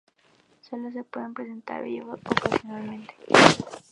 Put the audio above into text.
Sólo se presentan en vivo ocasionalmente.